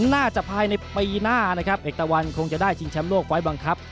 น่าจะภายในปีหน้านะครับเอกตะวันคงจะได้ชิงแชมป์โลกไฟล์บังคับ